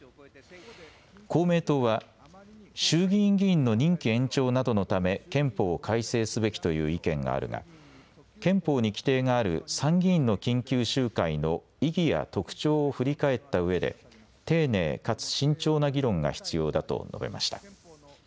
公明党は衆議院議員の任期延長などのため憲法を改正すべきという意見があるが憲法に規定がある参議院の緊急集会の意義や特徴を振り返ったうえで丁寧かつ慎重な議論が必要だと述べました。